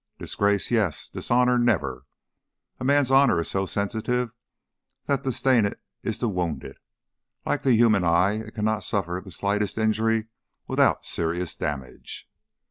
"Disgrace, yes. Dishonor, never! A man's honor is so sensitive that to stain it is to wound it. Like the human eye it cannot suffer the slightest injury without serious damage."